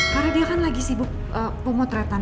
karena dia kan lagi sibuk pemotretan